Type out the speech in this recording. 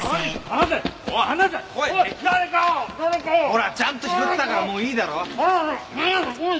ほらちゃんと拾ったからもういいだろ。